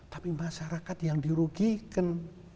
tapi masyarakat yang dirugikan